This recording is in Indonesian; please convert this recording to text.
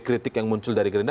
kritik yang muncul dari gerindra